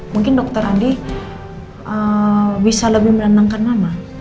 mungkin dokter andi bisa lebih menenangkan nama